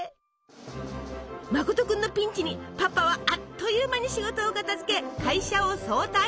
まこと君のピンチにパパはあっという間に仕事を片づけ会社を早退！